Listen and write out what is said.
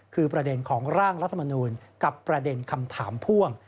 คือประเด็นของร่างรัฐมนูลกับประเด็นคำถามพ่วง